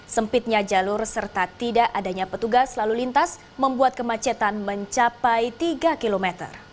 sempitnya jalur serta tidak adanya petugas lalu lintas membuat kemacetan mencapai tiga km